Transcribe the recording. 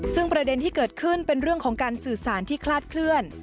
ซึ่งประเด็นที่เกิดขึ้นเป็นเรื่องของการสื่อสารที่คลาดเคลื่อน